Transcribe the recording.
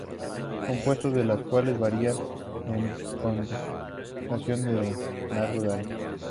Compuestos los cuales varían en concentración a lo largo del año.